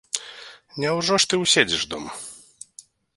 Няўжо ж ты ўседзіш дома?